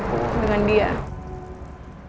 karena mamanya menginginkan aku dengan dia